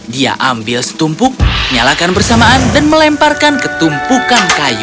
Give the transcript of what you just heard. dia ambil setumpuk nyalakan bersamaan dan melemparkan ketumpukan kayu